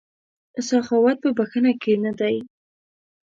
سخاوت په بښنه کې نه دی.